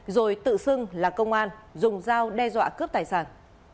rồi tự xưng là công an